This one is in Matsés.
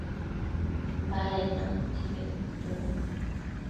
baded na utsi bedtsëcnu